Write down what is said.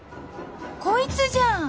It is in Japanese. こいつじゃん！